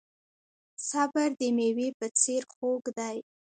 صبر د میوې په څیر خوږ دی.